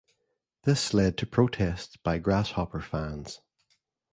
This led to protests by Grasshopper fans.